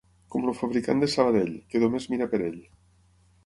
Com el fabricant de Sabadell, que només mira per ell.